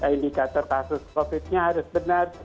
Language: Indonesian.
indikator kasus covid nya harus benar